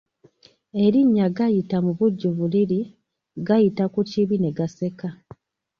Erinnya Gayita mubujjuvu liri Gayita ku kibi ne gaseka.